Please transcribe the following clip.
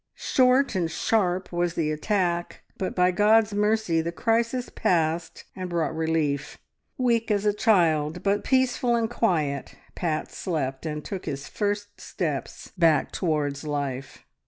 Short and sharp was the attack, but by God's mercy the crisis passed, and brought relief. Weak as a child, but peaceful and quiet, Pat slept, and took his first steps back towards life.